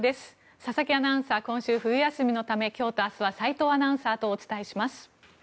佐々木アナウンサーは今週、冬休みのため今日と明日は斎藤アナウンサーとお伝えします。